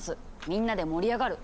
みんなで盛り上がる。